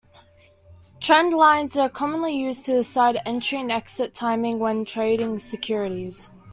Trend lines are commonly used to decide entry and exit timing when trading securities.